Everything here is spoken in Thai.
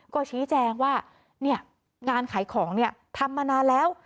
ก็ชี้แจงว่างานขายของทำมานานแล้ว